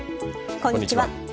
こんにちは。